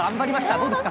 どうですか？